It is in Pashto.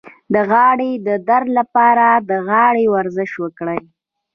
د غاړې د درد لپاره د غاړې ورزش وکړئ